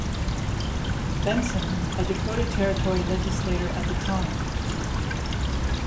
Benson, a Dakota Territory legislator at the time.